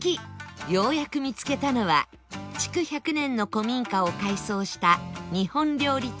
ようやく見つけたのは築１００年の古民家を改装した日本料理店ゆるり